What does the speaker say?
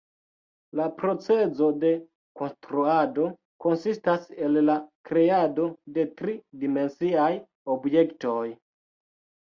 La procezo de konstruado konsistas el la kreado de tri-dimensiaj objektoj.